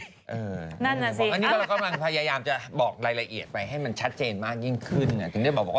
จริงหรอกก็เรากำลังพยายามจะบอกรายละเอียดไปให้มันชัดเจนมากยิ่งขึ้น